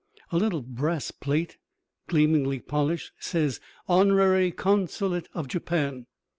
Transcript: A little brass plate, gleamingly polished, says HONORARY CONSULATE OF JAPAN.